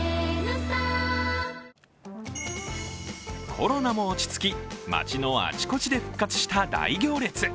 コロナも落ち着き、街のあちこちで復活した大行列。